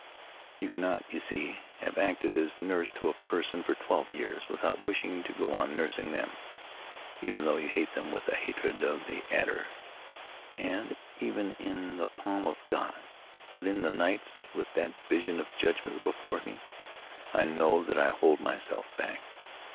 You cannot, you see, have acted as nurse to a person for twelve years without wishing to go on nursing them, even though you hate them with the hatred of the adder, and even in the palm of God. But, in the nights, with that vision of judgement before me, I know that I hold myself back.